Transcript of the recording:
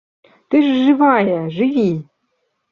Ты ж жывая, жыві!